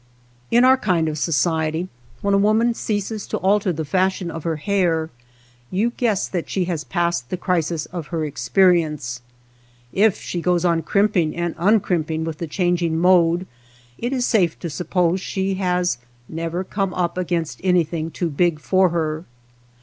In our kind of society, when a woman ceases to alter the fashion of her hair, you guess that she has passed the crisis of her experience. If she goes on crimping and uncrimping with the changing mode, it is safe to suppose she has never come up against anything too big for her.